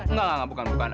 nggak nggak bukan